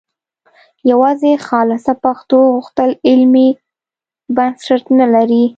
یوازې خالصه پښتو غوښتل علمي بنسټ نه لري